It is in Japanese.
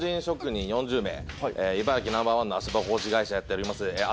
職人４０名茨城ナンバーワンの足場工事会社をやっております